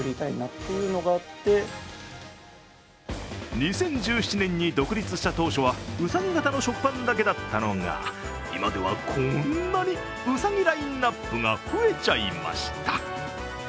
２０１７年に独立した当初はうさぎ型の食パンだけだったのが、今ではこんなにうさぎラインナップが増えちゃいました。